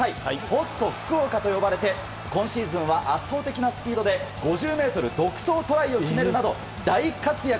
ポスト福岡と呼ばれて今シーズンは圧倒的なスピードで５０ｍ独走トライを決めるなど大活躍！